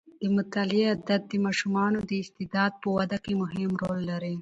د مطالعې عادت د ماشومانو د استعداد په وده کې مهم رول لري.